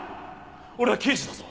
俺は刑事だぞ。